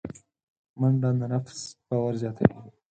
منډه د نفس باور زیاتوي